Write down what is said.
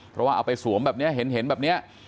เพราะว่าเอาไปสวมแบบนี้เห็นแบบนี้